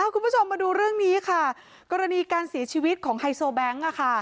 คุณผู้ชมมาดูเรื่องนี้ค่ะกรณีการเสียชีวิตของไฮโซแบงค์